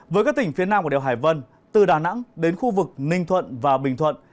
với các tỉnh phía nam của đèo hải vân từ đà nẵng đến khu vực ninh thuận và bình thuận